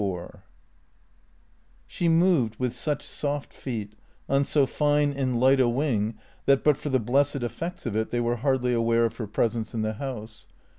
XLIV SHE moved with such soft feet, on so fine and light a wing that, but for the blessed effects of it, they were hardly aware of her presence in the house.